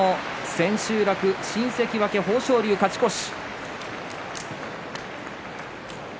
千秋楽、新関脇豊昇龍勝ち越し。